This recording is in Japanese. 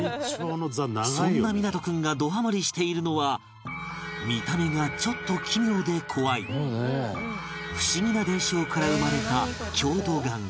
そんな湊君がどハマりしているのは見た目がちょっと奇妙で怖いふしぎな伝承から生まれた郷土玩具